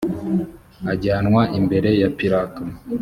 ajyanwa imbere ya pilato